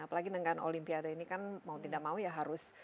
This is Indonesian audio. apalagi dengan olimpiade ini kan mau tidak mau ya harus